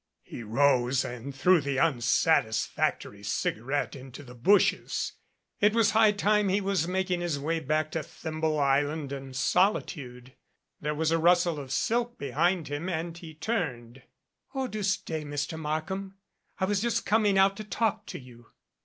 He rose and threw the un satisfactory cigarette into the bushes. It was high time he was making his way back to Thimble Island and soli tude. There was a rustle of silk behind him, and he turned. 87 "Oh, do stay, Mr. Markham. I was just coming out to talk to you."